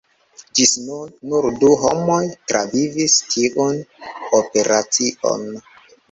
Ĝis nun nur du homoj travivis tiun operacion!